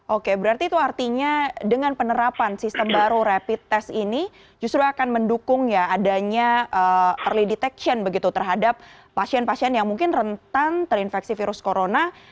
oke berarti itu artinya dengan penerapan sistem baru rapid test ini justru akan mendukung ya adanya early detection begitu terhadap pasien pasien yang mungkin rentan terinfeksi virus corona